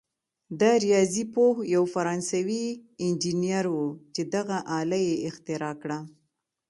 دا ریاضي پوه یو فرانسوي انجنیر وو چې دغه آله یې اختراع کړه.